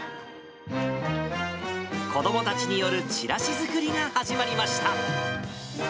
子どもたちによるチラシ作りが始まりました。